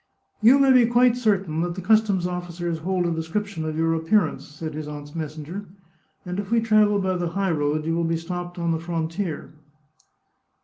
" You may be quite certain that the customs officers hold a description of your appearance," said his aunt's messenger, " and if we travel by the high road you will be stopped on the frontier."